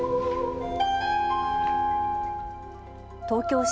東京